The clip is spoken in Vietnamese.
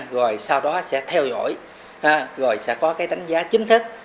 rồi sau đó sẽ theo dõi rồi sẽ có cái đánh giá chính thức